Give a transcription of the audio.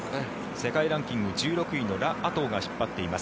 世界ランキング１６位のラ・アトウが引っ張っています。